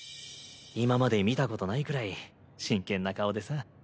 今まで見たことないくらい真剣な顔でさ。